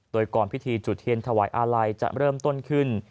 โดยก่อนพิธีจุดเทียนถวายอาลัยจะเริ่มต้นขึ้น